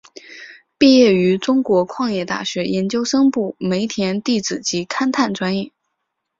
毕业于中国矿业大学研究生部煤田地质及勘探专业。